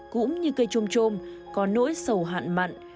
cũng như cây chôm chôm có nỗi sầu hạn mặn